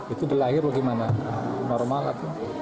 itu dilahir bagaimana normal atau